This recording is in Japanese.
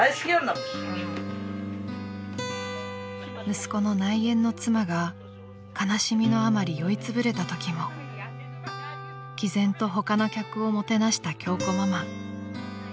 ［息子の内縁の妻が悲しみのあまり酔いつぶれたときも毅然と他の客をもてなした京子ママ］